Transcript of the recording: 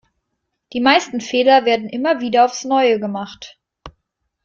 Die meisten Fehler werden immer wieder aufs Neue gemacht.